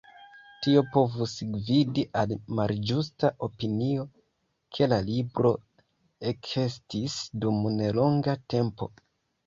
Tio povus gvidi al malĝusta opinio, ke la libro ekestis dum nelonga tempo.